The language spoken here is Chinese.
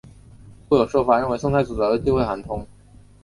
故有说法认为宋太祖早就忌讳韩通。